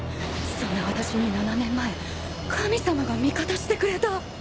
そんな私に７年前神様が味方してくれた。